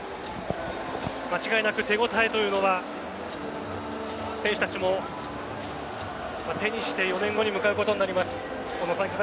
間違いなく手応えというのは選手たちも手にして４年後に向かうことになります。